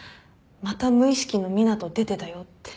また無意識の湊斗出てたよって。